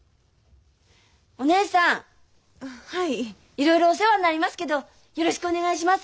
いろいろお世話になりますけどよろしくお願いします。